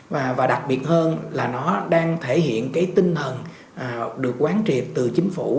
và đặc biệt hơn là nó đang thể hiện cái tinh thần được quán triệt từ chính phủ